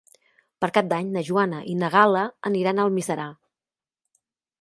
Per Cap d'Any na Joana i na Gal·la aniran a Almiserà.